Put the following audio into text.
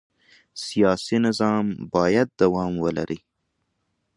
سیاسي نظام باید دوام ولري